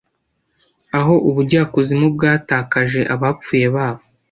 aho ubujyakuzimu bwatakaje abapfuye babo